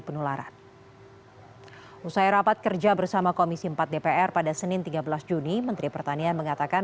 penularan usai rapat kerja bersama komisi empat dpr pada senin tiga belas juni menteri pertanian mengatakan